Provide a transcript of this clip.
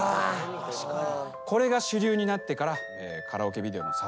確かに。